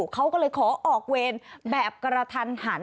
เขาก็เลยขอออกเวรแบบกระทันหัน